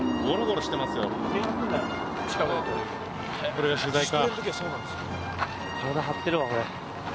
これが取材か。